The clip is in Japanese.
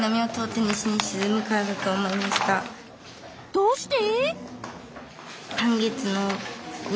どうして？